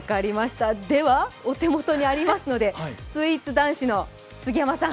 ではお手元にありますのでスイーツ男子の杉山さん